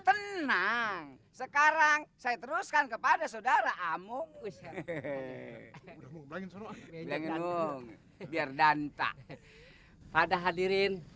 tenang sekarang saya teruskan kepada saudara amung usir hehehe hehehe biar danta pada hadirin